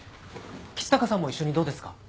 橘高さんも一緒にどうですか？